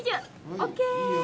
ＯＫ。